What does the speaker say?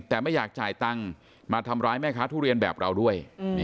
แต่ไม่อยากจ่ายตังค์มาทำร้ายแม่ค้าทุเรียนแบบเราด้วย